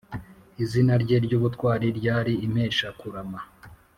Izina rye ry’ubutwari ryari “Impeshakurama’’.